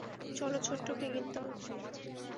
চলো, ছোট্টো পিগির দল।